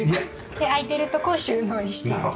で空いてるとこを収納にしていると。